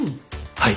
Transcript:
はい！